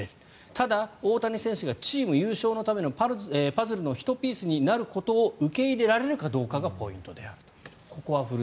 ただ、大谷選手がチーム優勝のためのパズルの１ピースになることを受け入れられるかどうかがポイントであると。